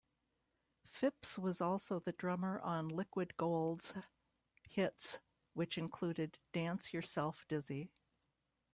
Phipps was also the drummer on Liquid Gold's hits which included "Dance Yourself Dizzy".